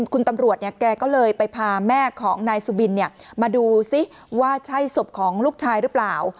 คุณตำรวจแกก็เลยไปพาแม่ของนายสุบินมาดูซิว่าใช่ศพของลูกชายหรือเปล่า